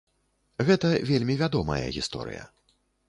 Гэта вельмі вядомая гісторыя.